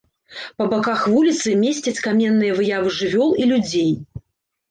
Па баках вуліцы месцяць каменныя выявы жывёл і людзей.